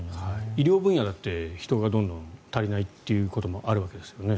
医療分野だって人がどんどん、足りないということもあるわけですよね。